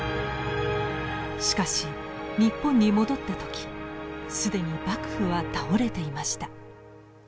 しかし日本に戻った時既に幕府は倒れていました。